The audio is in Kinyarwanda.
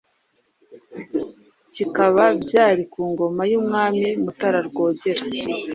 bikaba byari ku ngoma y’umwami Mutara Rwogera ,